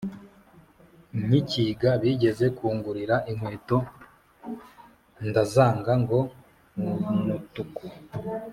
Nkikiga bigeze kungurira inkweto ndazanga ngo numutuku